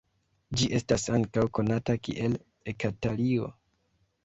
Ĝi estas ankaŭ konata kiel eka-talio.